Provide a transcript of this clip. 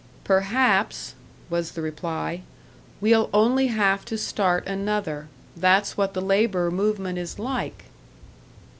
"Perhaps," was the reply. "We'll only have to start another. That's what the labour movement is like."